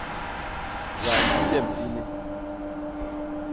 Wandi yem ini.